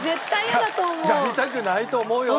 やりたくないと思うよ。